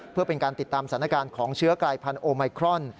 เพื่อเป็นการติดตามสถานการณ์ของเชื้อกลายพันธุไมครอน